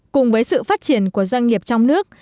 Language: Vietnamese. cùng với sự phát triển của doanh nghiệp trong nước